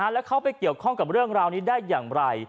แล้วเขาไปเกี่ยวข้องกับเรื่องราวนี้ได้อย่างไร